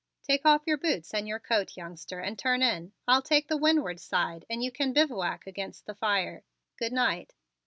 "Take off your boots and your coat, youngster, and turn in. I'll take the windward side and you can bivouac against the fire. Good night!"